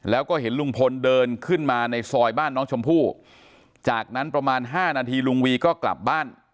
แล้วก็เห็นลุงพลเดินขึ้นมาในซอยบ้านน้องชมพู่จากนั้นประมาณ๕นาทีลุงวีก็กลับบ้าน